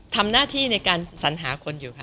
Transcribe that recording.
ทำหน้าที่ในการสัญหาคนอยู่ค่ะ